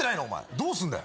どうすんだよ。